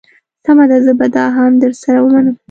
سمه ده زه به دا هم در سره ومنم.